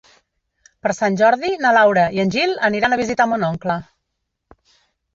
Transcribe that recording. Per Sant Jordi na Laura i en Gil aniran a visitar mon oncle.